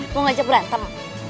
mau ngajak berantem